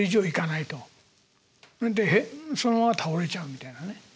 でそのまま倒れちゃうみたいなね。